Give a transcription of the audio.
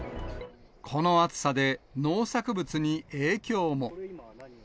この暑さで、農作物に影響も。